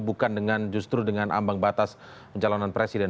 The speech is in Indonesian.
bukan dengan justru dengan ambang batas pencalonan presiden